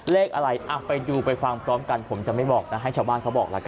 เลขอะไรไปดูไปฟังพร้อมกันผมจะไม่บอกนะให้ชาวบ้านเขาบอกแล้วกัน